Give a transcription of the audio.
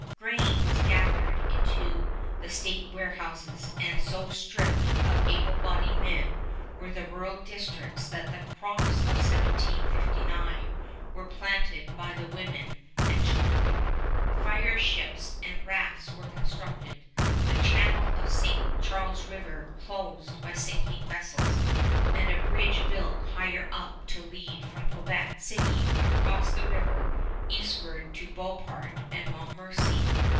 Grain was gathered into the state warehouses, and so stripped of able bodied men were the rural districts that the crops of 1759 were planted by the women and children. Fire ships and rafts were constructed, the channel of St. Charles River closed by sinking vessels, and a bridge built higher up to lead from Quebec City across the river eastward to Beauport and Montmorency.